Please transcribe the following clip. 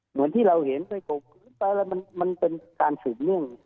เหมือนที่เราเห็นมันเป็นการฉุดเนื่อง